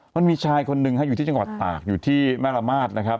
มันมีชายคนหนึ่งอยู่ที่จังหวัดตากอยู่ที่แม่ระมาทนะครับ